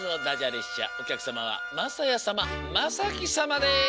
列車おきゃくさまはまさやさままさきさまです。